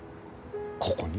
ここに？